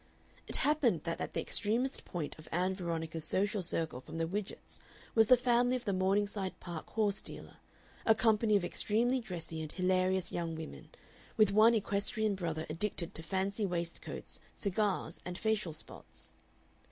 It happened that at the extremest point of Ann Veronica's social circle from the Widgetts was the family of the Morningside Park horse dealer, a company of extremely dressy and hilarious young women, with one equestrian brother addicted to fancy waistcoats, cigars, and facial spots.